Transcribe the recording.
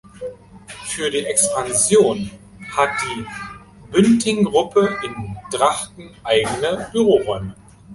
Für die Expansion hat die Bünting-Gruppe in Drachten eigene Büroräume.